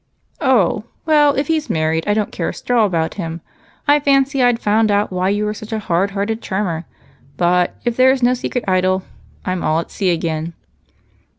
"Oh! Well, if he's married, I don't care a straw about him. I fancied I'd found out why you are such a hard hearted charmer. But if there is no secret idol, I'm all at sea again."